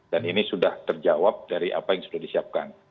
dan ini sudah terjawab dari apa yang sudah disiapkan